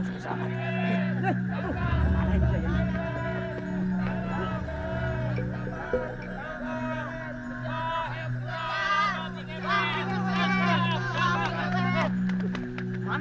gina kasih saya dari kentang